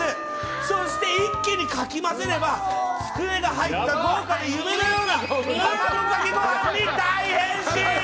そして一気にかき混ぜればつくねが入った、豪華な夢のような卵かけご飯に大変身！